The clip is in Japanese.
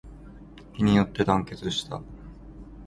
一揆によって団結した